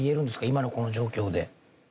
今のこの状況で。